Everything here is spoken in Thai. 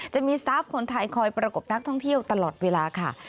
จะมีสตาร์ฟคนไทยคอยประกบนักท่องเที่ยวตลอดเวลาค่ะ